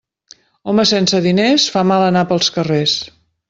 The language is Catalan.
Home sense diners fa mal anar pels carrers.